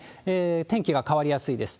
天気が変わりやすいです。